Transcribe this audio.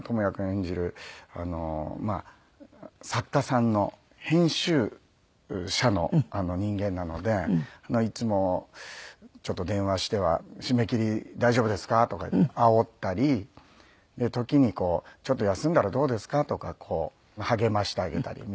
演じる作家さんの編集社の人間なのでいつもちょっと電話しては「締め切り大丈夫ですか？」とかあおったり時に「ちょっと休んだらどうですか？」とか励ましてあげたりみたいな。